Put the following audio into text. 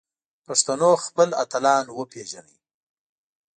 پښتنو خپل اتلان وپیژني